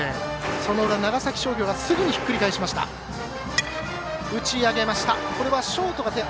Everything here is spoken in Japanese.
その裏、長崎商業がすぐにひっくり返しました。